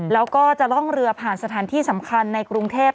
แล้วก็จะล่องเรือผ่านสถานที่สำคัญในกรุงเทพ